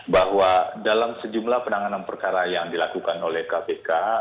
bahwa dalam sejumlah penanganan perkara yang dilakukan oleh kpk